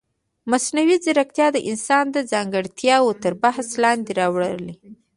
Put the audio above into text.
مصنوعي ځیرکتیا د انسان ځانګړتیاوې تر بحث لاندې راولي.